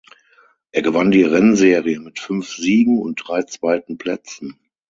Er gewann die Rennserie mit fünf Siegen und drei zweiten Plätzen.